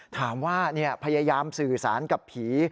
ถามว่าพยายามสื่อสารกับผี